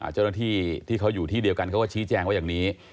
เจ้าหน้าที่ที่เขาอยู่ที่เดียวกันเขาก็ชี้แจงว่าอย่างนี้